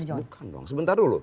bukan dong sebentar dulu